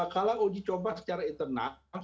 kalau uji coba secara internal